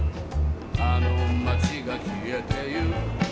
あの街が消えていく」